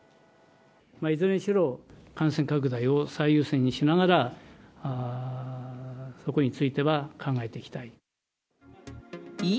いずれにしろ、感染拡大を最優先にしながら、そこについては考えていきたい。